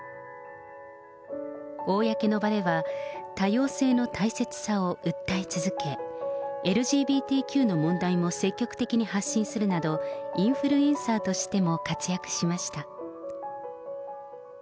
公の場では多様性の大切さを訴え続け、ＬＧＢＴＱの問題も積極的に発信するなど、インフルエンサーとしても活躍しました。